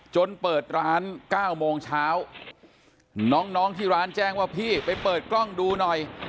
เปิดร้าน๙โมงเช้าน้องที่ร้านแจ้งว่าพี่ไปเปิดกล้องดูหน่อย